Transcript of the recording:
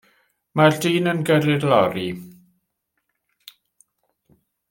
Mae'r dyn yn gyrru'r lori.